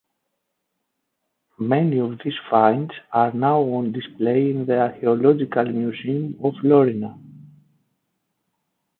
Many of these finds are now on display in the Archaeological Museum of Florina.